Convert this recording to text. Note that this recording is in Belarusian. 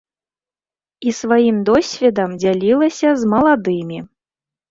І сваім досведам дзялілася з маладымі.